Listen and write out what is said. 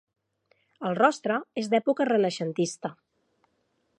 El rostre és d'època renaixentista.